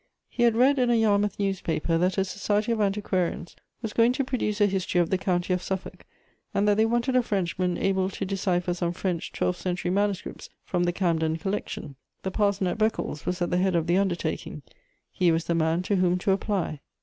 He had read in a Yarmouth newspaper that a society of antiquarians was going to produce a history of the County of Suffolk, and that they wanted a Frenchman able to decipher some French twelfth century manuscripts from the Camden Collection. The parson at Beccles was at the head of the undertaking; he was the man to whom to apply.